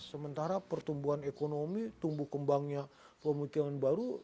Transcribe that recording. sementara pertumbuhan ekonomi tumbuh kembangnya pemukiman baru